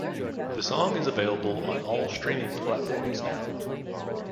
The song is available on all streaming platforms now.